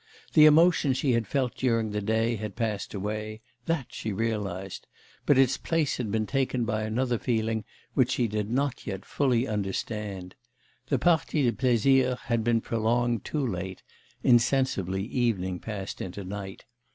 The emotion she had felt during the day had passed away; that she realised; but its place had been taken by another feeling which she did not yet fully understand. The partie de plaisir had been prolonged too late; insensibly evening passed into night.